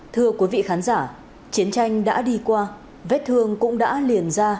các bạn hãy đăng ký kênh để ủng hộ kênh của chúng mình nhé